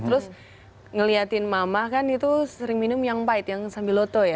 terus ngeliatin mama kan itu sering minum yang pahit yang sambil loto ya